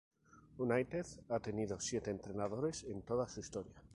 United ha tenido siete entrenadores en toda su historia.